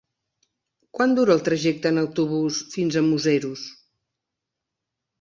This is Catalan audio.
Quant dura el trajecte en autobús fins a Museros?